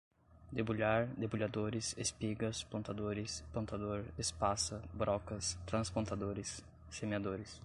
debulhar, debulhadores, espigas, plantadores, plantador, espaça, brocas, transplantadores, semeadores